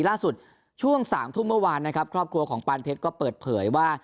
ล่าสุดช่วง๓ทุ่มเมื่อวานนะครับครอบครัวของปานเพชรก็เปิดเผยว่า